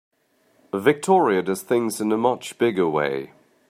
Victoria does things in a much bigger way.